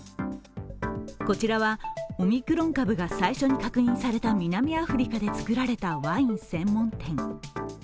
こちらはオミクロン株が最初に確認された南アフリカで作られたワイン専門店。